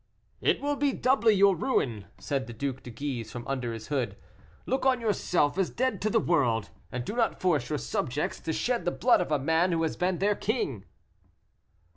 "It will be doubly your ruin," said the Duc de Guise, from under his hood. "Look on yourself as dead to the world, and do not force your subjects to shed the blood of a man who has been their king."